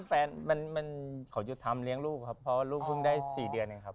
ตอนนี้แฟนมันขออยุธรรมเลี้ยงลูกครับเพราะลูกเพิ่งได้๔เดือนเองครับ